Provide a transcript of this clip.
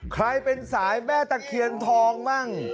ใครเป็นสายแม่ตะเคียนทองมั่ง